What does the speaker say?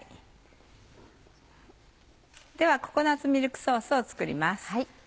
ではココナッツミルクソースを作ります。